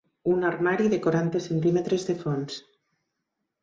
Un armari de quaranta centímetres de fons.